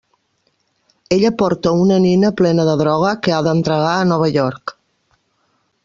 Ella porta una nina plena de droga, que ha d'entregar a Nova York.